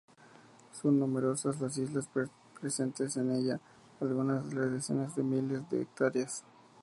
Son numerosas las islas presentes en ella, algunas de decenas de miles de hectáreas.